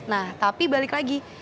nah tapi balik lagi